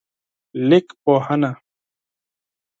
لیکپوهنه